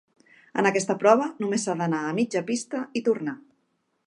En aquesta prova només s'ha d'anar a mitja pista i tornar.